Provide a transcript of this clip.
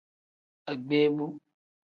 Agbeebu.